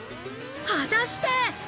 果たして。